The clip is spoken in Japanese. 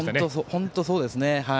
本当にそうですね。